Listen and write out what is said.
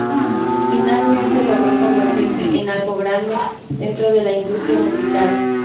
Finalmente logró convertirse en algo grande dentro de la industria musical.